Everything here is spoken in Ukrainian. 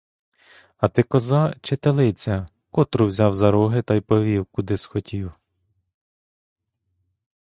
А ти коза чи телиця, котру взяв за роги та й повів, куди схотів?